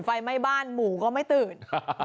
ไฟไหม้บ้านหมูก็ไม่ตื่น